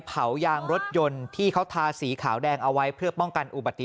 เผายางรถยนต์ที่เขาทาสีขาวแดงเอาไว้เพื่อป้องกันอุบัติเหตุ